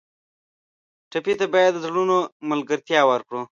ټپي ته باید د زړونو ملګرتیا ورکړو.